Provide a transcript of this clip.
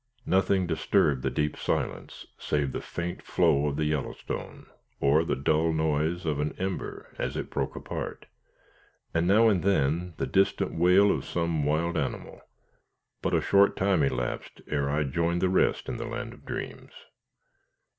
Nothing disturbed the deep silence save the faint flow of the Yellowstone, or the dull noise of an ember as it broke apart, and now and then the distant wail of some wild animal. But a short time elapsed ere I joined the rest in the land of dreams.